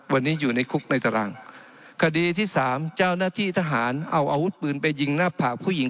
วันนี้อยู่ในคุกในตาราง